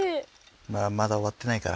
まあまだ終わってないから。